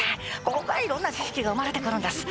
ここから色んな知識が生まれてくるんです